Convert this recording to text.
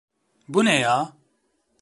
Bu ne ya?